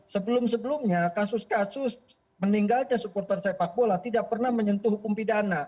sebelum sebelumnya kasus kasus meninggalnya supporter sepak bola tidak pernah menyentuh hukum pidana